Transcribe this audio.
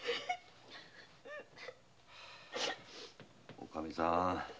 おかみさん